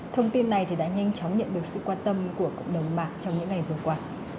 thông tin này đã nhanh chóng nhận được sự quan tâm của cộng đồng mạng trong những ngày vừa qua